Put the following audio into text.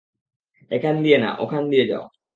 এখান দিয়ে না, ওখান দিয়ে যাও।